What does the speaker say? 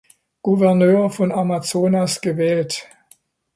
Gouverneur von Amazonas gewählt.